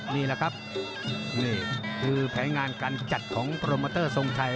นี่แหละครับนี่คือแผนงานการจัดของโปรโมเตอร์ทรงชัย